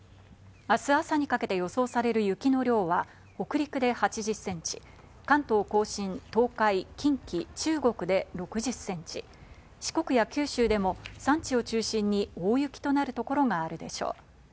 明日朝にかけて予想される雪の量は北陸で８０ｃｍ、関東甲信、東海、近畿、中国で６０ｃｍ、四国や九州でも山地を中心に大雪となるところがあるでしょう。